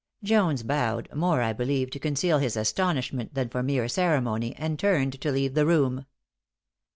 Jones bowed, more, I believe, to conceal his astonishment than for mere ceremony, and turned to leave the room.